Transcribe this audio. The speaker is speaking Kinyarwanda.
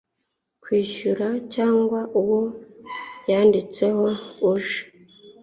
kwishyura cyangwa uwo yanditseho uje